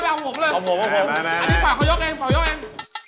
ยกไปเขายกเอง